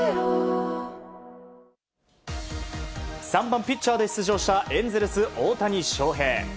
３番ピッチャーで出場したエンゼルス大谷翔平。